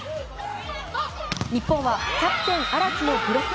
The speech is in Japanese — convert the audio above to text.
日本はキャプテン、荒木のブロック。